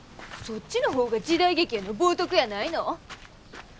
そっちの方が時代劇への冒とくやないの？